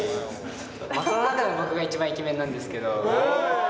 その中で僕が一番イケメンなんですけど。